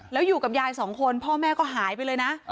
แล้วอยู่กับยายสองคนพ่อแม่ก็หายไปเลยนะ